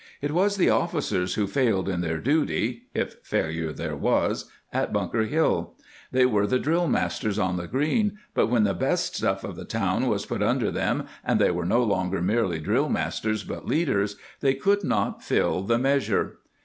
^ It was the officers who failed in their duty (if failure there was) at Bunker Hill ;^ they were the drill masters on the green, but when the best stuff of the town was put under them and they were no longer merely drill masters but leaders, they could not fill the measure.